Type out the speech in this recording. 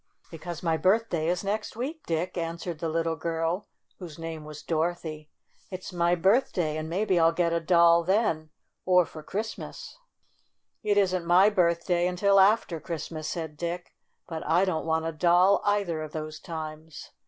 "Because my birthday is next week, Dick," answered the little girl, whose name was Dorothy. "It's my birthday, and maybe I'll get a doll then, or for Christmas." 2 7 28 STORY OP A SAWDUST DOLL "It isn't my birthday until after Christ mas," said Dick. "But I don't want a doll either of those times."